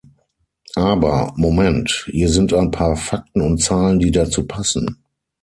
Aber, Moment, hier sind ein paar Fakten und Zahlen, die dazu passen.